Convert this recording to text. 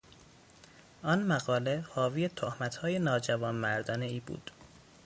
آن مقاله حاوی تهمتهای ناجوانمردانهای بود.